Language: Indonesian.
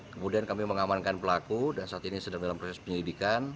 kemudian kami mengamankan pelaku dan saat ini sedang dalam proses penyelidikan